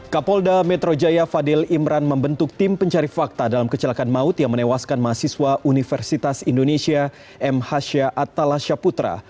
kapolda metro jaya fadil imran membentuk tim pencari fakta dalam kecelakaan maut yang menewaskan mahasiswa universitas indonesia m hasha atalasha putra